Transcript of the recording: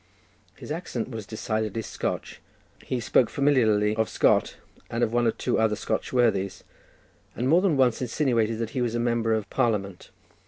His accent was decidedly Scotch: he spoke familiarly of Scott, and one or two other Scotch worthies, and more than once insinuated that he was a member of Parliament.